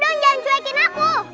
jawab dong jangan cuekin aku